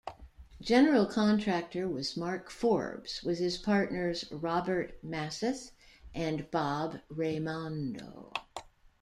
General contractor was Mark Forbes, with his partners, Robert Masseth and Bob Raymondo.